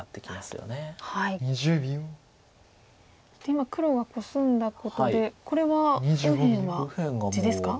今は黒がコスんだことでこれは右辺は地ですか？